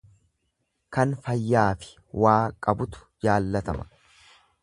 Kan fayyaafi waa qabutu jaallatama.